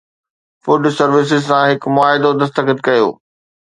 food services سان هڪ معاهدو دستخط ڪيو